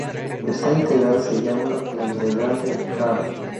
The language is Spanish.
Esta integral se llama la integral de Haar.